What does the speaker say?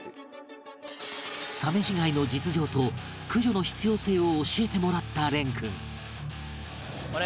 サメ被害の実情と駆除の必要性を教えてもらった蓮君